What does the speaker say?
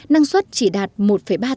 năng suất chỉ đạt một chút